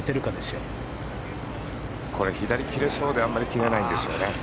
左に切れそうであんまり切れないんですね。